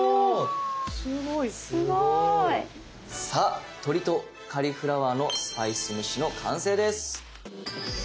すごい！さあ「鶏とカリフラワーのスパイス蒸し」の完成です。